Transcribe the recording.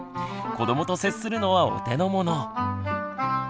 子どもと接するのはお手のもの。